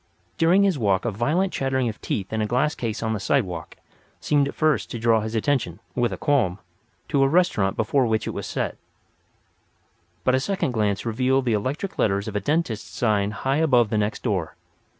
During his walk a violent chattering of teeth in a glass case on the sidewalk seemed at first to draw his attention (with a qualm), to a restaurant before which it was set; but a second glance revealed the electric letters of a dentist's sign high above the next door.